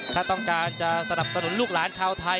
ถ้าต้องการจะสนับสนุนลูกหลานชาวไทย